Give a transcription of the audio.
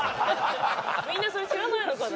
みんなそれ知らないのかな？